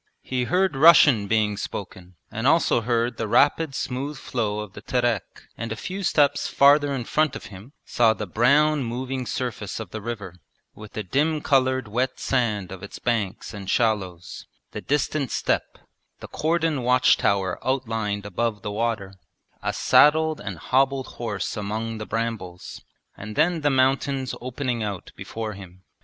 He heard Russian being spoken, and also heard the rapid smooth flow of the Terek, and a few steps farther in front of him saw the brown moving surface of the river, with the dim coloured wet sand of its banks and shallows, the distant steppe, the cordon watch tower outlined above the water, a saddled and hobbled horse among the brambles, and then the mountains opening out before him.